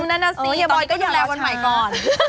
นั่นน่ะสิเฮียบอยก็ดูแลวันใหม่ก่อน